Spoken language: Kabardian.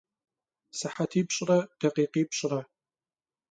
Sıhetipş're dakhikhipş're.